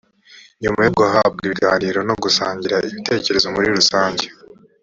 nyuma yo guhabwa ibiganiro no gusangira ibitekerezo muri rusange